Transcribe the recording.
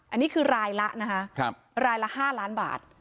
อันนี้คือรายละนะคะรายละ๕ล้านบาท